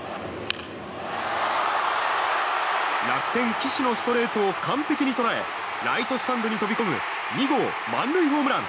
楽天、岸のストレートを完璧に捉えライトスタンドに飛び込む２号満塁ホームラン！